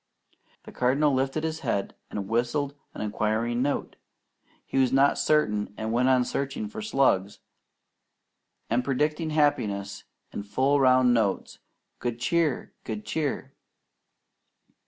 The Cardinal lifted his head and whistled an inquiring note. He was not certain, and went on searching for slugs, and predicting happiness in full round notes: "Good Cheer! Good Cheer!"